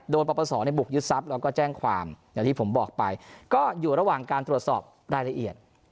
ปรปศในบุกยึดทรัพย์แล้วก็แจ้งความอย่างที่ผมบอกไปก็อยู่ระหว่างการตรวจสอบรายละเอียด